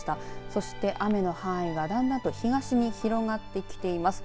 そして雨の範囲がだんだんと東に広がってきています。